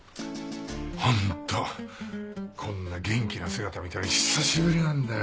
ホントこんな元気な姿見たの久しぶりなんだよ。